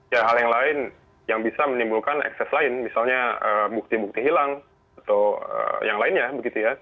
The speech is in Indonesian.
ya hal yang lain yang bisa menimbulkan ekses lain misalnya bukti bukti hilang atau yang lainnya begitu ya